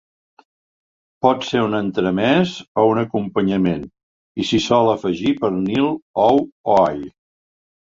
Pot ser un entremès o un acompanyament, i s'hi sol afegir pernil, ou o all.